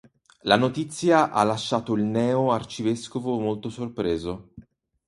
La notizia ha lasciato il neo arcivescovo molto sorpreso.